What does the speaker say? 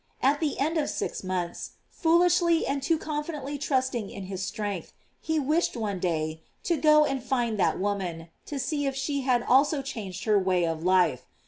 At the end of six months, foolishly and too confidently trusting in his strength, he wished, one day, to go and find that woman, to see if she had also changed her way of life.